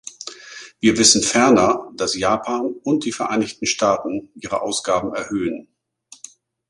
Wir wissen ferner, dass Japan und die Vereinigten Staaten ihre Ausgaben erhöhen.